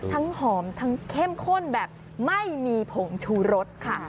หอมทั้งเข้มข้นแบบไม่มีผงชูรสค่ะ